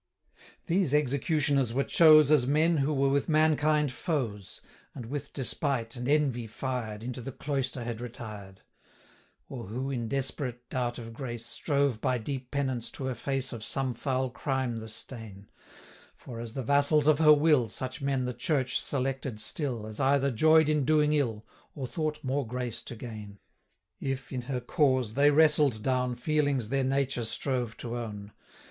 These executioners were chose, 450 As men who were with mankind foes, And with despite and envy fired, Into the cloister had retired; Or who, in desperate doubt of grace, Strove, by deep penance, to efface 455 Of some foul crime the stain; For, as the vassals of her will, Such men the Church selected still, As either joy'd in doing ill, Or thought more grace to gain, 460 If, in her cause, they wrestled down Feelings their nature strove to own.